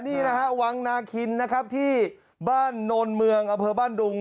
นี่นะฮะวังนาคินนะครับที่บ้านโนนเมืองอเภอบ้านดุง